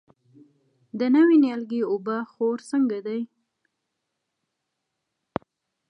د نوي نیالګي اوبه خور څنګه دی؟